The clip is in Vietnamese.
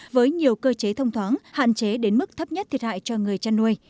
với nhiều cơ chế thông thoáng hạn chế đến mức thấp nhất thiệt hại cho người chăn nuôi